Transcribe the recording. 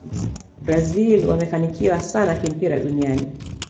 brazil wamefanikiwa sana kimpira duniani